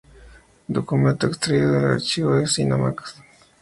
Documento extraído del Archivo de Simancas.